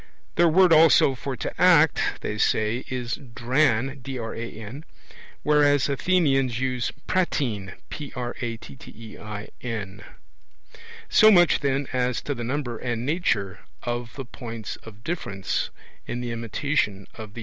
Their word also for 'to act', they say, is dran, whereas Athenians use prattein. So much, then, as to the number and nature of the points of difference in the imitation of these arts.